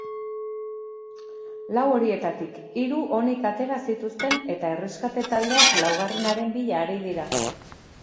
Lau horietatik hiru onik atera zituzten eta erreskate taldeak laugarrenaren bila ari dira.